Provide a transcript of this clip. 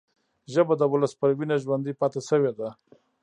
ژبه د ولس پر وینه ژوندي پاتې شوې ده